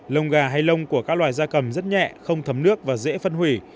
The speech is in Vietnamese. lông gà hay lông của các loài gia cầm rất nhẹ không thấm nước và dễ phân hủy